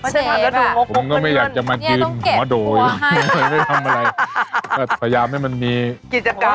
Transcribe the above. ผมก็ไม่อยากจะมายืนหมอโดยไม่ได้ทำอะไรก็พยายามให้มันมีกิจกรรม